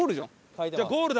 じゃあゴールだ！